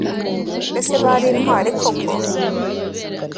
mbese bari intwari koko